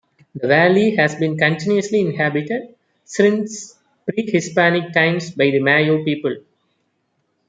The valley has been continuously inhabited since pre-Hispanic times by the Mayo people.